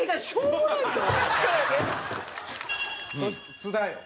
津田よ。